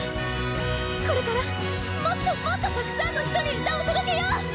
これからもっともっとたくさんの人に歌を届けよう！